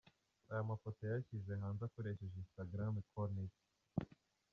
Aya mafoto yayashyize hanze akoresheje Instagram konte ye .